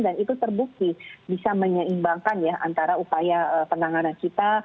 dan itu terbukti bisa menyeimbangkan ya antara upaya penanganan kita